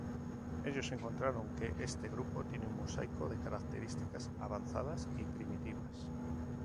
Ellos encontraron que este grupo tiene un mosaico de características avanzadas y primitivas.